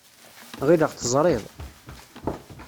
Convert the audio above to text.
Ɣileɣ teẓriḍ.